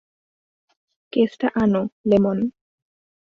কেসটা আনো, লেমন।